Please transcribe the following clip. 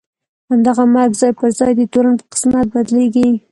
همدغه مرګ ځای پر ځای د تورن په قسمت بدلېږي.